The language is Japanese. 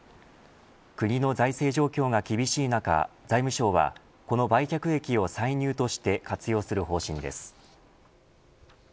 国の財政状況が厳しい中財務省はこの売却益を歳入として活用する方針です。